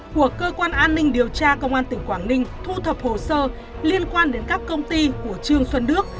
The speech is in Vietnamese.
của cơ quan an ninh điều tra công an tp hcm thu thập hồ sơ liên quan đến các công ty của trương xuân đức